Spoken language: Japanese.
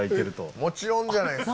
もちろんじゃないですか。